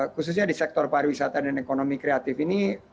khususnya di sektor pariwisata dan ekonomi kreatif ini